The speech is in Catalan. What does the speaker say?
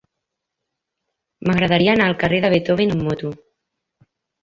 M'agradaria anar al carrer de Beethoven amb moto.